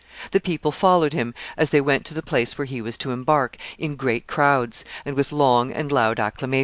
The people followed him, as he went to the place where he was to embark, in great crowds, and with long and loud acclamations.